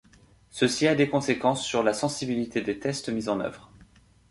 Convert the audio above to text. Ceci a des conséquences sur la sensibilité des tests mis en œuvre.